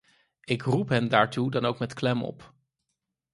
Ik roep hen daartoe dan ook met klem op.